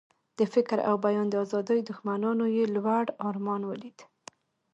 د فکر او بیان د آزادۍ دښمنانو یې لوړ ارمان ولید.